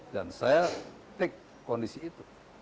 dan saya take kondisi itu